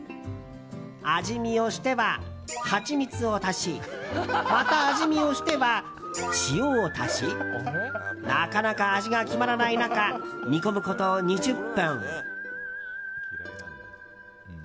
味見をしては、ハチミツを足しまた味見をしては塩を足しなかなか味が決まらない中煮込むこと２０分。